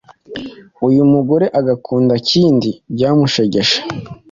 uyu mugore agakunda Kindi byamushegeshe.